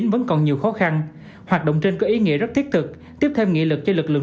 vẫn còn nhiều khó khăn hoạt động trên có ý nghĩa rất thiết thực tiếp thêm nghị lực cho lực lượng